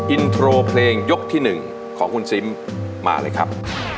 อินโทรเพลงยกที่๑ของคุณซิมมาเลยครับ